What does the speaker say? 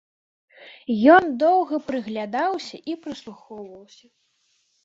Ён доўга прыглядаўся і прыслухоўваўся.